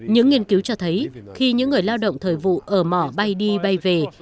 những nghiên cứu cho thấy khi những người lao động thời vụ ở mỏ bay đi bay về